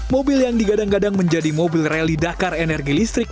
mobil yang digadang gadang menjadi mobil rally dakar energi listrik